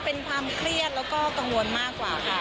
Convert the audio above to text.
เป็นความเครียดแล้วก็กังวลมากกว่าค่ะ